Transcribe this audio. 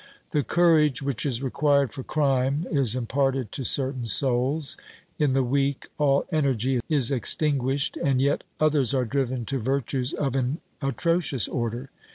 The courage which is required for crime is imparted to certain souls ; in the weak all energy is extinguished, and yet others are driven to virtues of an atrocious order.